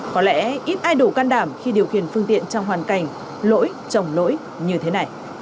có lẽ ít ai đủ can đảm khi điều khiển phương tiện trong hoàn cảnh lỗi chồng lỗi như thế này